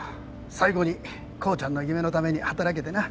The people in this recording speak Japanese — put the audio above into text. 最後に浩ちゃんの夢のために働けてな。